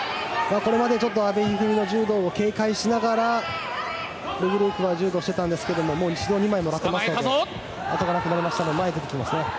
これまで阿部一二三の柔道を警戒しながらル・ブルークは柔道をしていたんですがもう指導を２枚もらっているので後がなくなりましたので前に出てきますね。